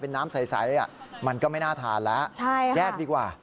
น้ำใสมันก็ไม่น่าทานแล้วแยกดีกว่า